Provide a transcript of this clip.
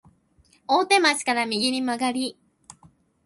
大手町駅から右に曲がり、